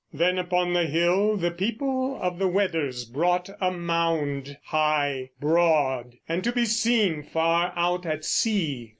Then upon the hill The people of the Weders wrought a mound, High, broad, and to be seen far out at sea.